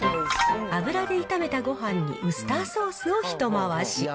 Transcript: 油で炒めたごはんにウスターソースをひと回し。